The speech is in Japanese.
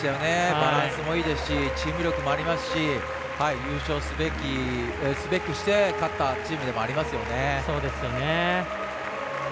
バランスもいいですしチーム力もありますし優勝すべくして勝ったチームでもありますよね。